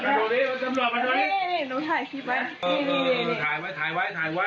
ถ่ายไว้ถ่ายไว้ถ่ายไว้